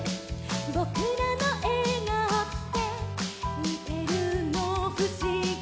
ぼくらのえがおってにてるのふしぎ」